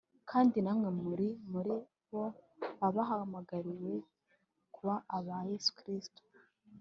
kandi namwe muri muri bo, abahamagariwe kuba aba Yesu Kristo,